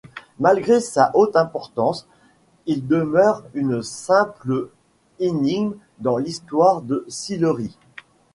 Malgré sa haute importance, il demeure une simple énigme dans l’histoire de Sillery.